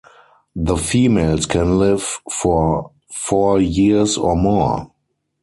The females can live for four years or more.